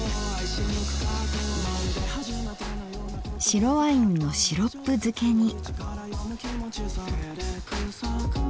白ワインのシロップ漬けに。